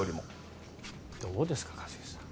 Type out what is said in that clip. どうですか一茂さん。